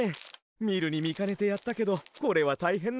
みるにみかねてやったけどこれはたいへんなしごとだ。